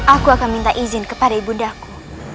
aku akan minta izin kepada ibu daku